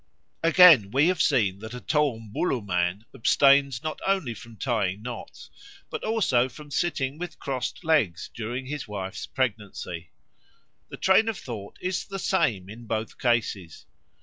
Again, we have seen that a Toumbuluh man abstains not only from tying knots, but also from sitting with crossed legs during his wife's pregnancy. The train of thought is the same in both cases.